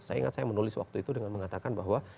saya ingat saya menulis waktu itu dengan mengatakan bahwa